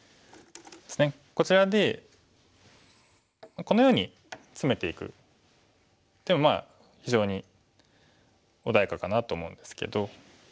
こちらでこのようにツメていく手もまあ非常に穏やかかなと思うんですけど。